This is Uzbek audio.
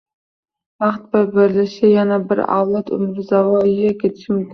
vaqt boy berilishi, yana bir avlod umri zoye ketishi mumkin.